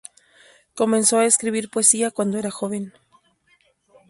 Comenzó a escribir poesía cuando era joven.